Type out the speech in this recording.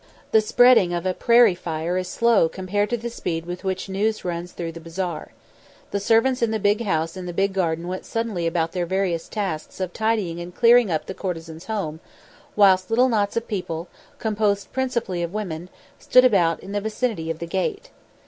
The spreading of a prairie fire is slow compared to the speed with which news runs through the bazaar. The servants in the big house in the big garden went sullenly about their various tasks of tidying and clearing up the courtesan's home, whilst little knots of people, composed principally of women, stood about in the vicinity of the gate.